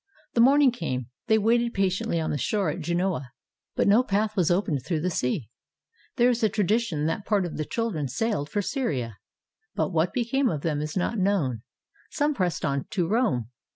The morning came. They waited patiently on the shore at Genoa, but no path was opened through the sea. There is a tradition that part of the children sailed for Syria, but what became of them is not known. Some pressed on to Rome.